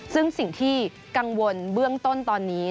ซึ่งสิ่งที่กังวลเบื้องต้นตอนนี้